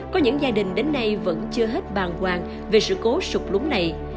có những gia đình đến nay vẫn chưa hết bàng hoàng về sự cố sụp lúng này